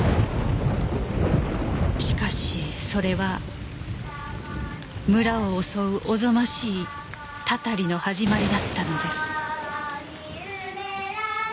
しかしそれは村を襲うおぞましいたたりの始まりだったのです